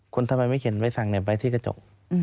คุณทำไมไม่เขียนไว้สั่งเน็ตไว้ที่กระจก